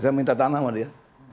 saya minta tanah sama dia